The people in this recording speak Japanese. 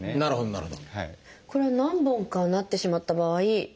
なるほど。